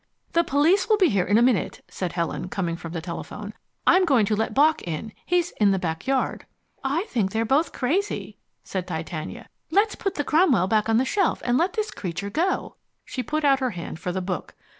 "The police will be here in a minute," said Helen, calling from the telephone. "I'm going to let Bock in. He's in the back yard." "I think they're both crazy," said Titania. "Let's put the Cromwell back on the shelf and let this creature go." She put out her hand for the book.